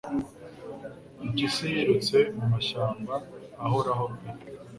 Impyisi yirutse mu mashyamba ahoraho pe